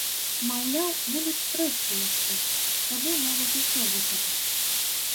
Маўляў, будуць спрэчкі яшчэ, тады могуць усё выказаць.